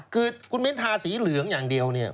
คือคุณมิ้นทาสีเหลืองอย่างเดียวเนี่ย